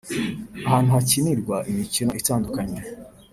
ahantu hakinirwa imikino itandukanye